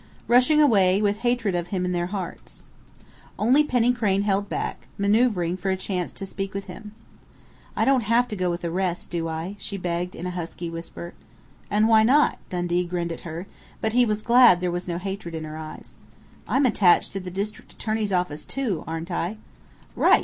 Rushing away with hatred of him in their hearts.... Only Penny Crain held back, maneuvering for a chance to speak with him. "I don't have to go with the rest, do I?" she begged in a husky whisper. "And why not?" Dundee grinned at her, but he was glad there was no hatred in her eyes. "I'm 'attached' to the district attorney's office, too, aren't I?" "Right!